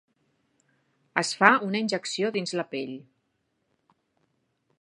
Es fa una injecció dins la pell.